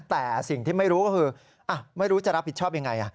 แต่สิ่งที่ไม่รู้ก็คือไม่รู้จะรับผิดชอบยังไง